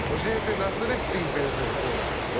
ナスレッディン先生」のコーナーですね